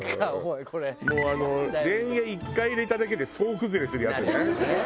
もうれんげ１回入れただけで総崩れするやつね。